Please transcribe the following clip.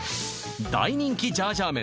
大人気ジャージャー麺